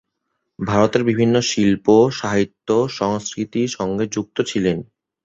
ভারতের বিভিন্ন শিল্প, সাহিত্য সংস্কৃতির সঙ্গে যুক্ত ছিলেন।